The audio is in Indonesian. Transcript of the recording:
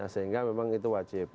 sehingga memang itu wajib